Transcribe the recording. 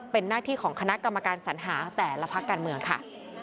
เป็นหน้าที่ของคณะกรรมการสัญหาแต่ละพักการเมืองค่ะ